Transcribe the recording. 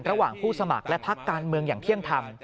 ระหว่างผู้สมัครและพักการเมืองอย่างเที่ยงธรรม